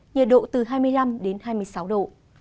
nhiệt độ từ hai mươi năm đến hai mươi sáu độ